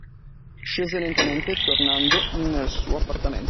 Scese lentamente, tornando nel suo appartamento.